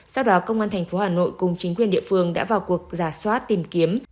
sau đó công an thành phố hà nội cùng chính quyền địa phương đã vào cuộc giả soát tìm kiếm